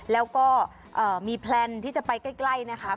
แล้วก็มีแพลนที่จะไปใกล้นะคะ